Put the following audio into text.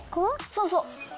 そうそう。